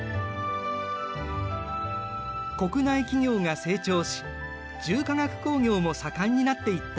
国内企業が成長し重化学工業も盛んになっていった。